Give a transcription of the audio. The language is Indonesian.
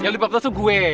yang lebih pantes tuh gue